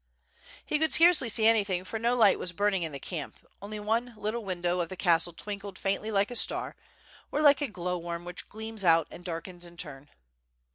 He could scarcely see anything for no light was burning in the camp, only one little window of the castle twinkled faintly like a star, or like a glow wonn which glwtms out and darkens in turn.